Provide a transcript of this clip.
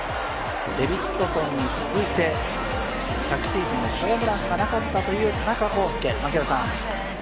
デビッドソンに続いて昨シーズンホームランがなかったという田中広輔。